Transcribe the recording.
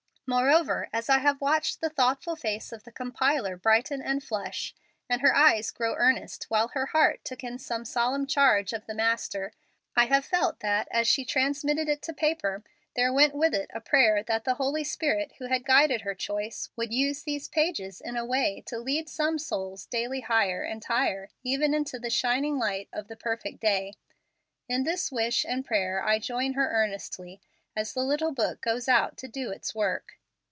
Moreover, as I have watched ihe thoughtful face of the compiler brighten and flush, and her eyes grow earnest while her heart took in some solemn charge of the Master, I have felt that, as she transmitted it to paper, there went with it a prayer that the Holy Spirit who had guided her choice, would use these pages in away to lead some souls daily higher, and higher, even into the "shining light" of the "perfect day." In this wish and prayer I join her earnestly, as the little book goes out to do its work.